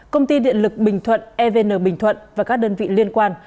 công ty điện lực bình thuận evn bình thuận và các đơn vị liên quan